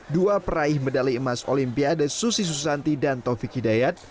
dua peraih medali emas olimpiade susi susanti dan taufik hidayat